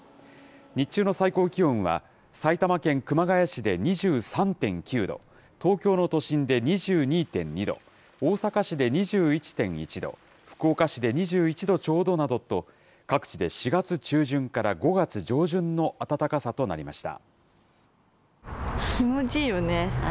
日中の最高気温は、埼玉県熊谷市で２３．９度、東京の都心で２２．２度、大阪市で２１．１度、福岡市で２１度ちょうどなどと、各地で４月中旬から５月上旬の暖かさとなりました。